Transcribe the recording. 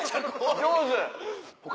上手。